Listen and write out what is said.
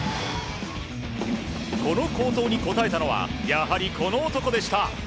この好投に応えたのはやはりこの男でした。